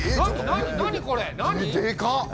何これ何？でか！